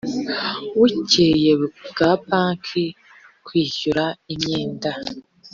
buke bwa banki mu kwishyura imyenda